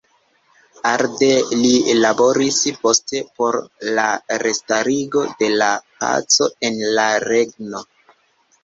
Arde li laboris poste por la restarigo de la paco en la regno.